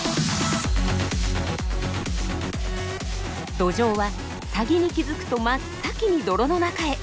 ドジョウはサギに気づくと真っ先に泥の中へ。